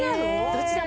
どちらも。